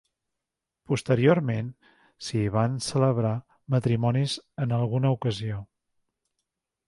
Posteriorment s'hi van celebrar matrimonis en alguna ocasió.